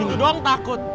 itu doang takut